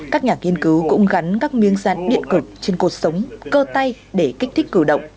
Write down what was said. các nhà nghiên cứu cũng gắn các miếng rán điện cực trên cột sống cơ tay để kích thích cử động